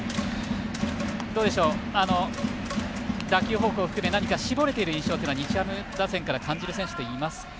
どうでしょう、打球方向含め何か絞れていることは日ハム打線から感じる選手いますか？